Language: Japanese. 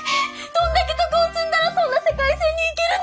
どんだけ徳を積んだらそんな世界線に行けるの！？